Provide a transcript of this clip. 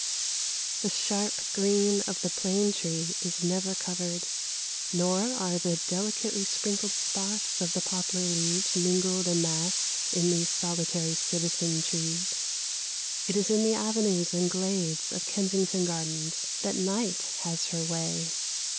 ] The sharp green of the plane tree is never covered, nor are the delicately sprinkled spots of the poplar leaves mingled and massed, in these solitary citizen trees. It is in the avenues and glades of Kensington Gardens that Night has her way.